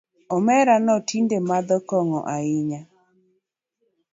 Omerano tinde madho kong’o ahinya